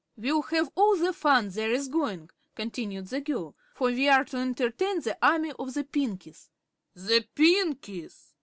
"We'll have all the fun there is going," continued the girl, "for we are to entertain the Army of the Pinkies." "The Pinkies!"